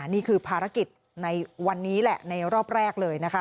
นี่คือภารกิจในวันนี้แหละในรอบแรกเลยนะคะ